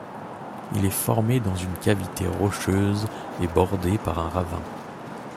Il est formé dans une cavité rocheuse et bordée par un ravin.